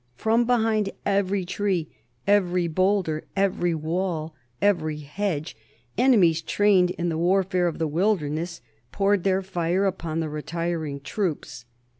From behind every tree, every bowlder, every wall, every hedge, enemies trained in the warfare of the wilderness poured their fire upon the retiring troops.